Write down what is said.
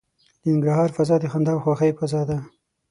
د ننګرهار فضا د خندا او خوښۍ فضا ده.